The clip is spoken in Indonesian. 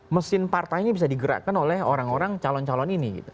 mesin partainya bisa digerakkan oleh orang orang calon calon ini